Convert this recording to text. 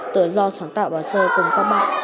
tự do sáng tạo vào chơi cùng các bạn